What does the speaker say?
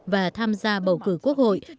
và tham gia bầu cử quốc hội